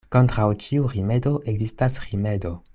Kontraŭ ĉiu rimedo ekzistas rimedo.